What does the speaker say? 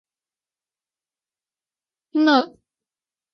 青岛的教育历史悠久。